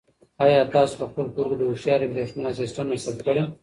آیا تاسو په خپل کور کې د هوښیارې برېښنا سیسټم نصب کړی؟